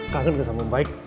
kangen gak sama baik